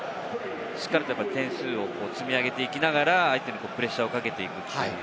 しっかりと点数を積み上げていきながら、相手にプレッシャーをかけていく。